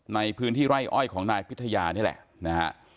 ในพื้นที่ไร่อ้อยของนายพิทยานี่แหละนะฮะ